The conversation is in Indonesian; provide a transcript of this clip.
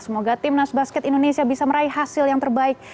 semoga timnas basket indonesia bisa meraih hasil yang terbaik